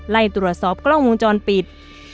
ไล่ตรวจสอบกล้องวงจรปิด